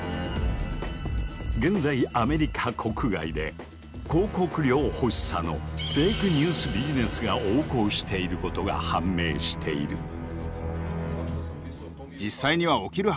現在アメリカ国外で広告料欲しさの「フェイクニュースビジネス」が横行していることが判明している。